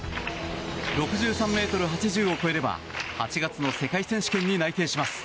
６３ｍ８０を超えれば８月の世界選手権に内定します。